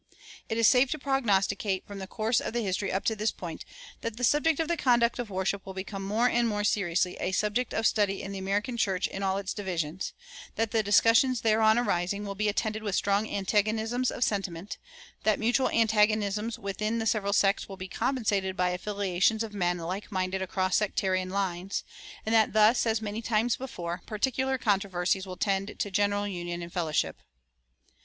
It is safe to prognosticate, from the course of the history up to this point, that the subject of the conduct of worship will become more and more seriously a subject of study in the American church in all its divisions; that the discussions thereon arising will be attended with strong antagonisms of sentiment; that mutual antagonisms within the several sects will be compensated by affiliations of men like minded across sectarian lines; and that thus, as many times before, particular controversies will tend to general union and fellowship.